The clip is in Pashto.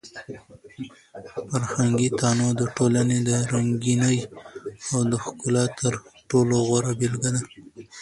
فرهنګي تنوع د ټولنې د رنګینۍ او د ښکلا تر ټولو غوره بېلګه ده.